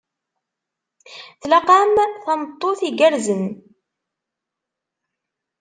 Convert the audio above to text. Tlaq-am tameṭṭut igerrzen.